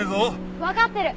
わかってる。